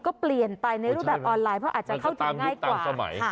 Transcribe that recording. ก็เปลี่ยนไปในรูปแบบออนไลน์เพราะอาจจะเข้าถึงง่ายกว่า